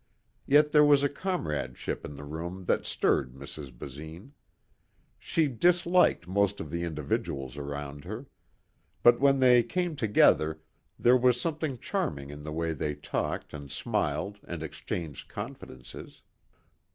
Yet there was a comradeship in the room that stirred Mrs. Basine. She disliked most of the individuals around her. But when they came together there was something charming in the way they talked and smiled and exchanged confidences.